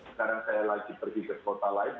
sekarang saya lagi pergi ke kota lain